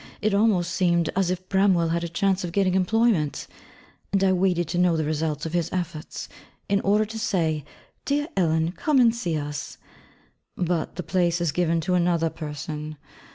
It almost seemed as if Bramwell had a chance of getting employment; and I waited to know the results of his efforts, in order to say 'Dear Ellen, come and see us.' But the place is given to another person.